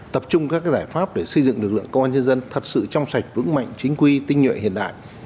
tập trung các giải pháp để xây dựng lực lượng công an nhân dân thật sự trong sạch vững mạnh chính quy tinh nhuệ hiện đại